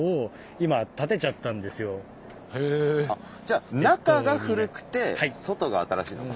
じゃ中が古くて外が新しいのか。